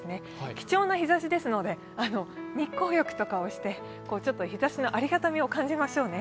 貴重な日ざしですので日光浴とかをして日ざしのありがたみを感じましょうね。